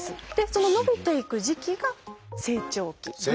その伸びていく時期が「成長期」。